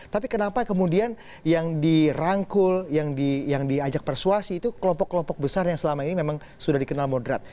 tapi kenapa kemudian yang dirangkul yang diajak persuasi itu kelompok kelompok besar yang selama ini memang sudah dikenal moderat